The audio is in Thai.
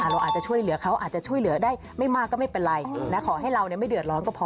เราอาจจะช่วยเหลือเขาอาจจะช่วยเหลือได้ไม่มากก็ไม่เป็นไรขอให้เราไม่เดือดร้อนก็พอ